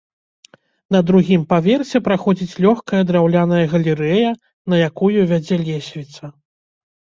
На другім паверсе праходзіць лёгкая драўляная галерэя, на якую вядзе лесвіца.